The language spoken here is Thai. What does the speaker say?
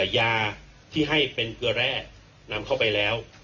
ยาที่ให้เป็นเกลือแร่นำเข้าไปแล้ว